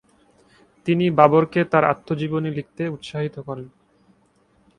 তিনি বাবরকে তার আত্মজীবনী লিখতে উত্সাহিত করেন।